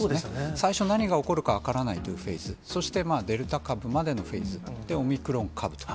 最初、何が起こるか分からないというフェーズ、そしてデルタ株までのフェーズ、で、オミクロン株と。